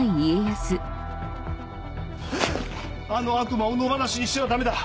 あの悪魔を野放しにしてはダメだ！